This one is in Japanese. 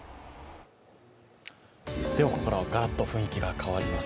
ここからはガラッと雰囲気が変わります。